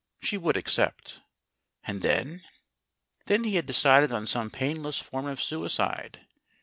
She would accept. And then ? Then he had decided on some painless form of suicide.